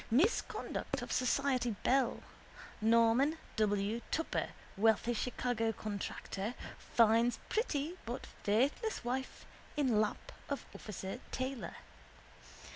Misconduct of society belle. Norman W. Tupper, wealthy Chicago contractor, finds pretty but faithless wife in lap of officer Taylor.